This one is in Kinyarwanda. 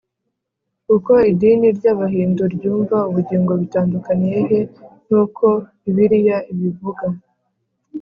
uko idini ry’abahindu ryumva ubugingo bitandukaniye he n’uko bibiliya ibivuga?